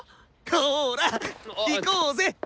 ほら行こうぜ！